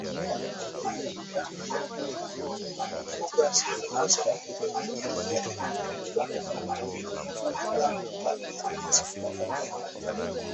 Mifugo asilia hasa ngombe wenye nundu hupata maambukizi ya ndigana kali hadi asilimia mia